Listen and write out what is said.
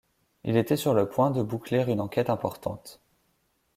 Il était sur le point de boucler une enquête importante.